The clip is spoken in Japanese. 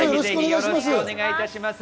よろしくお願いします。